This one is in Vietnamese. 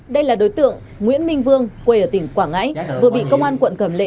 đây là đối tượng nguyễn minh vương quê ở tỉnh quảng ngãi vừa bị công an quận cầm lệ